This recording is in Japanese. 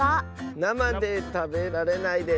なまでたべられないです。